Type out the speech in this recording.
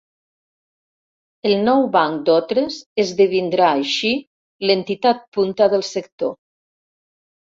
El nou Banc d'Autres esdevindrà, així, l'entitat punta del sector.